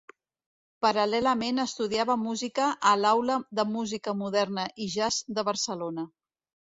Paral·lelament estudiava música a l'Aula de música moderna i jazz de Barcelona.